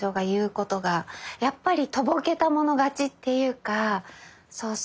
やっぱりとぼけたもの勝ちっていうかそうそう。